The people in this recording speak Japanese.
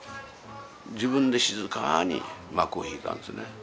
自分で静かに幕を引いたんですね。